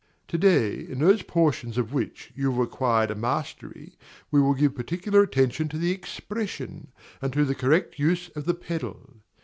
To day, in those portions of which you have acquired a mastery, we will give particular attention to the expression, and to the correct use of the pedal.